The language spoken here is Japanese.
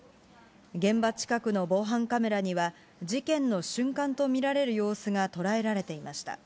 現場近くの防犯カメラには、事件の瞬間と見られる様子が捉えられていました。